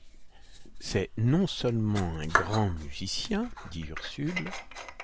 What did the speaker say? C’est non-seulement un grand musicien, dit Ursule